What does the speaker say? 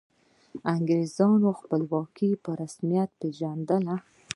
انګریزانو خپلواکي په رسمیت وپيژندله.